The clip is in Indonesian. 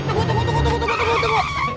tunggu tunggu tunggu